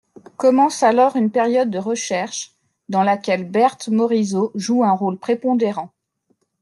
Commence alors une période de recherche dans laquelle Berthe Morisot joue un rôle prépondérant.